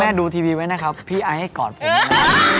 แม่ดูทีวีไว้นะครับพี่ไอ้ให้กอดผมนะ